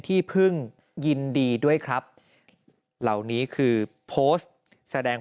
ที่พึ่งยินดีด้วยครับเหล่านี้คือโพสต์แสดงความ